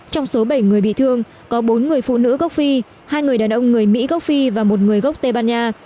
trong số bảy người bị thương có bốn người phụ nữ gốc phi hai người đàn ông người mỹ gốc phi và một người gốc tây ban nha